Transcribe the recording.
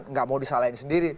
enggak mau disalahin sendiri